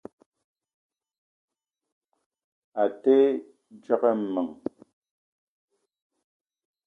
A te djegue meng.